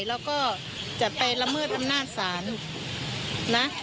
แล้วก็จะไปละเมิดอำนาจศาลนะ